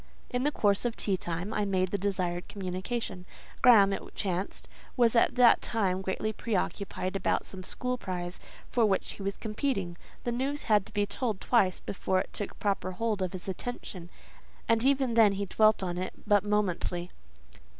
In the course of tea time I made the desired communication. Graham, it chanced, was at that time greatly preoccupied about some school prize, for which he was competing. The news had to be told twice before it took proper hold of his attention, and even then he dwelt on it but momently.